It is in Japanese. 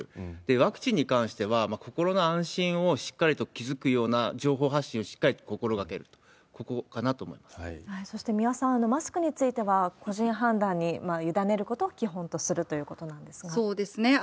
ワクチンに関しては、心の安心をしっかりと築くような情報発信をしっかりと心がけると、そして三輪さん、マスクについては個人判断に委ねることを基本とするということなそうですね。